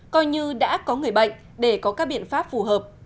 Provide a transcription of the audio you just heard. coi như đã có người bệnh để có các biện pháp phù hợp